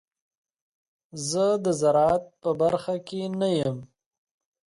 زه د زراعت په برخه کې نه یم.